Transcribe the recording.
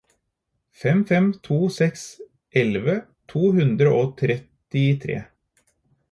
fem fem to seks elleve to hundre og trettitre